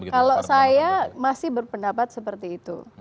kalau saya masih berpendapat seperti itu